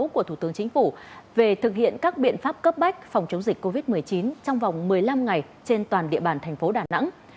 của thủ tướng chính phủ về thực hiện các biện pháp cấp bách phòng chống dịch covid một mươi chín trong vòng một mươi năm ngày trên toàn địa bàn thành phố đà nẵng